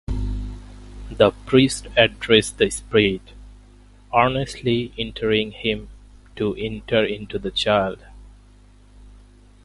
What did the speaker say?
The priests address the spirit, earnestly entreating him to enter into the child.